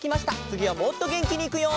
つぎはもっとげんきにいくよ！